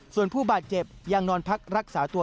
ส่วนผู้บาดเจ็บยังนอนพักรักษาตัว